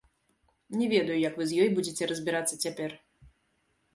Не ведаю, як вы з ёй будзеце разбірацца цяпер.